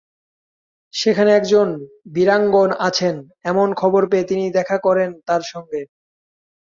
সেখানে একজন বীরাঙ্গনা আছেন এমন খবর পেয়ে তিনি দেখা করেন তাঁর সঙ্গে।